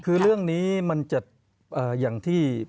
คือเรื่องนี้มันจะอย่างที่